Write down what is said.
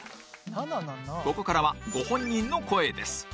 ここからはご本人の声です